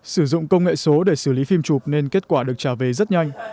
sử dụng công nghệ số để xử lý phim chụp nên kết quả được trả về rất nhanh